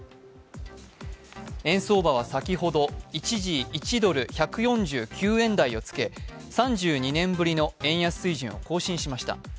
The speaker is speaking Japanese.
円相場は先ほど、一時１ドル＝１４９円台をつけ、３２年ぶりの円安水準を更新しました。